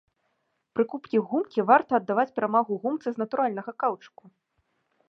Пры куплі гумкі варта аддаваць перавагу гумцы з натуральнага каўчуку.